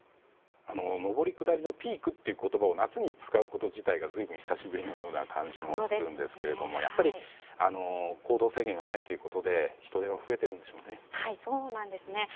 上り下りのピークという言葉を夏に使うこと自体が随分久しぶりのような感じもするんですけどもやっぱり行動制限がないということで人出は増えていくんでしょうね。